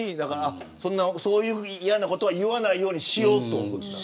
そういう嫌なことは言わないようにしようと。